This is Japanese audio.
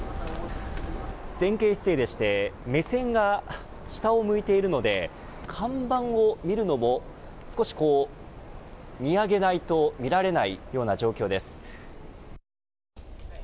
前傾姿勢でして、目線が下を向いているので看板を見るのも少し見上げないと見られないような状況です。